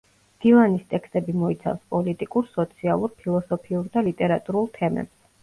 დილანის ტექსტები მოიცავს პოლიტიკურ, სოციალურ, ფილოსოფიურ და ლიტერატურულ თემებს.